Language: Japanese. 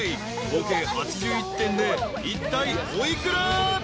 ［合計８１点でいったいお幾ら？］